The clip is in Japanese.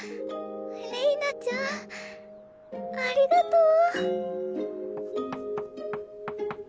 れいなちゃんありがとう。